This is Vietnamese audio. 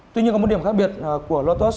tuy nhiên có một điểm khác biệt của lotus